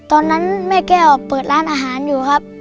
ตอนนั้นแม่แก้วเปิดร้านอาหารอยู่ครับ